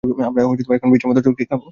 আমরা এখন বিছার মতো চরকি খাবো।